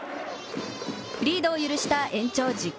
リードを許した延長１０回。